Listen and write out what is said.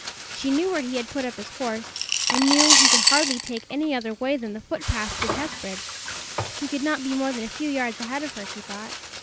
She knew where he had put up his horse, and knew he could hardly take any other way than the foot path to Testbridge. He could not be more than a few yards ahead of her, she thought.